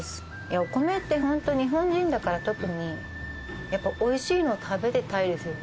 お米ってホント日本人だから特にやっぱり美味しいの食べていたいですよね。